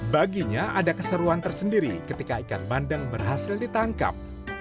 baginya ada keseruan tersendiri ketika ikan bandeng berhasil ditangkap